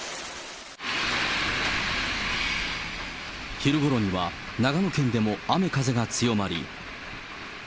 昼ごろには、長野県でも雨風が強まり。